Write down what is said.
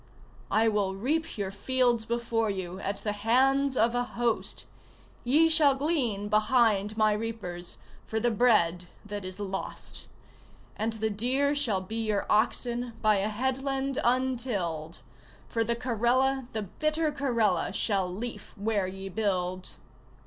I will reap your fields before you at the hands of a host; Ye shall glean behind my reapers, for the bread that is lost, And the deer shall be your oxen By a headland untilled, For the Karela, the bitter Karela, Shall leaf where ye build!